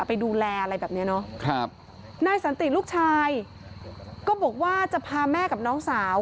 ไปดูแลอะไรแบบเนี้ยเนอะครับนายสันติลูกชายก็บอกว่าจะพาแม่กับน้องสาว